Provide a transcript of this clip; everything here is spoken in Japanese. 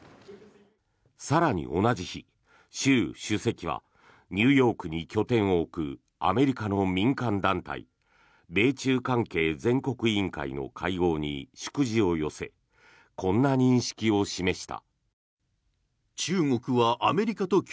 更に同じ日、習主席はニューヨークに拠点を置くアメリカの民間団体米中関係全国委員会の会合に祝辞を寄せこんな認識を示した。